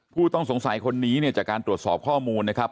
ผู้ต้องสงสัยคนนี้เนี่ยจากการตรวจสอบข้อมูลนะครับ